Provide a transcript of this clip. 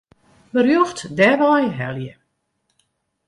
Berjocht dêrwei helje.